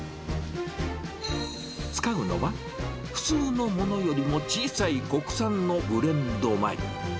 使うのは、普通のものよりも小さい国産のブレンド米。